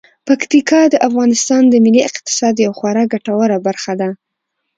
پکتیکا د افغانستان د ملي اقتصاد یوه خورا ګټوره برخه ده.